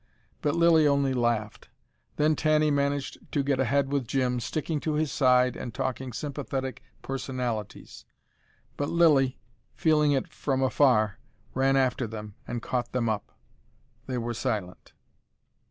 But Lilly only laughed. Then Tanny managed to get ahead with Jim, sticking to his side and talking sympathetic personalities. But Lilly, feeling it from afar, ran after them and caught them up. They were silent.